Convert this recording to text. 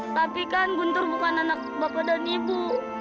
tapi kan guntur bukan anak bapak dan ibu